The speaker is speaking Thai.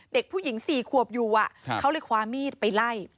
เด็กผู้หญิง๔ขวบอยู่เขาเลยคว้ามีดไปไล่